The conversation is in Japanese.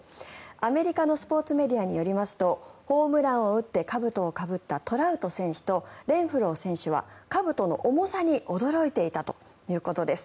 アメリカのスポーツメディアによりますとホームランを打ってかぶとをかぶったトラウト選手とレンフロー選手はかぶとの重さに驚いていたということです。